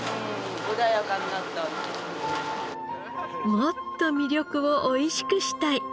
もっと味緑をおいしくしたい。